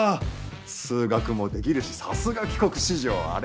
数学もできるしさすが帰国子女あれ？